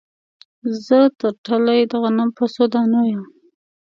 زه ترټلي د غنم په څو دانو یم